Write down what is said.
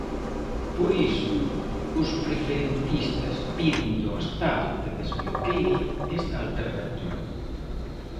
Por iso, os preferentistas pídenlle ao Estado que "desbloquee" esta alternativa.